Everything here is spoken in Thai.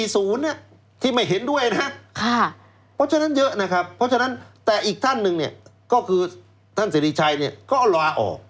๑๔ศูนย์เนี่ยที่ไม่เห็นด้วยนะเพราะฉะนั้นเยอะนะครับเพราะฉะนั้นแต่อีกท่านหนึ่งเนี่ยก็คือท่านศิริชัยเนี่ยก็ละออก